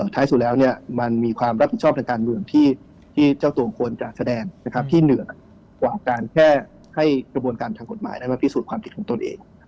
ท้ายสุดแล้วมันมีความรับผิดชอบทางการเมืองที่เจ้าตัวควรจะแสดงนะครับที่เหนือกว่าการแค่ให้กระบวนการทางกฎหมายได้มาพิสูจน์ความผิดของตนเอง